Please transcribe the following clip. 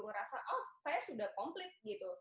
ngerasa oh saya sudah komplit gitu